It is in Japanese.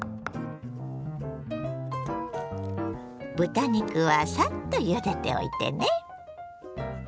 豚肉はサッとゆでておいてね。